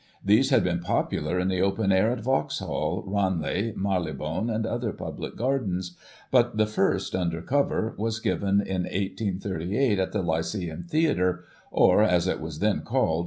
These had been popular in the open air at Vauxhall, Rcinelagh, Marylebone, and other public gardens; but the first, under cover, was given in 1838 at the Lyceum Theatre, or, as it was then called.